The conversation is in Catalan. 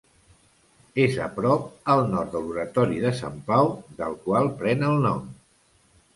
És a prop al nord de l'Oratori de Sant Pau, del qual pren el nom.